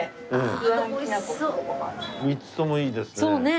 ３つともいいですね。